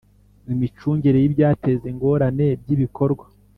Imicungire y ibyateza ingorane by ibikorwa